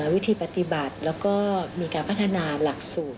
วิธีปฏิบัติแล้วก็มีการพัฒนาหลักสูตร